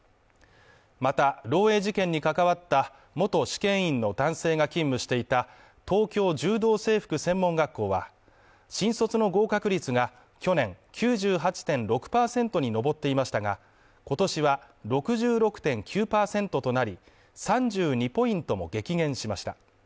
また、漏えい事件に関わった元試験委員の男性が勤務していた東京柔道整復専門学校は、新卒の合格率が去年９８．６％に上っていましたが、今年は６６．９％となり、３２ポイントも激減しました。